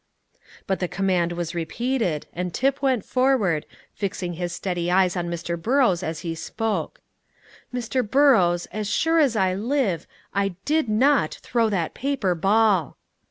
But the command was repeated, and Tip went forward, fixing his steady eyes on Mr. Burrows as he spoke. "Mr. Burrows, as sure as I live, I did not throw that paper ball."